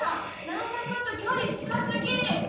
難破君と距離近すぎ！